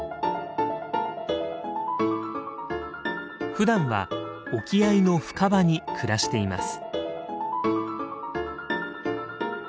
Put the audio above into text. ふだんは沖合の深場に暮らしています。